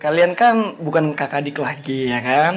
kalian kan bukan kakak adik lagi ya kan